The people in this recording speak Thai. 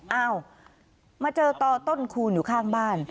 เอ้ามาเจอต่อต้นคูณอยู่ข้างบ้าน